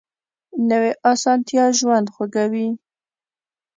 نوې اسانتیا ژوند خوږوي